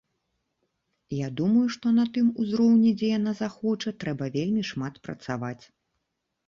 Я думаю, што на тым узроўні, дзе яна захоча, трэба вельмі шмат працаваць.